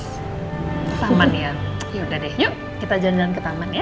taman yang yaudah deh yuk kita jalan jalan ke taman ya